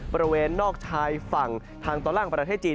บริเวณนอกชายฝั่งทางตอนล่างประเทศจีน